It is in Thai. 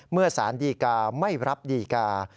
เมื่อสารดีกาไม่รับดีกา